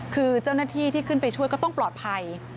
คือเจ้าหน้าที่ที่ขึ้นไปช่วยก็ต้องปลอดภัย